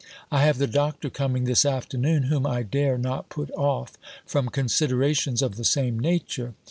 I have the Doctor coming this afternoon, whom I dare not put off, from considerations of the same nature.